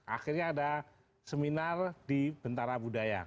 akhirnya ada seminar di bentara budaya